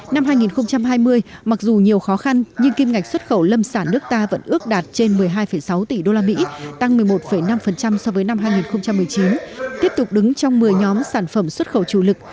năm hai nghìn hai mươi mặc dù nhiều khó khăn nhưng kim ngạch xuất khẩu lâm sản nước ta vẫn ước đạt trên một mươi hai sáu tỷ usd tăng một mươi một năm so với năm hai nghìn một mươi chín tiếp tục đứng trong một mươi nhóm sản phẩm xuất khẩu chủ lực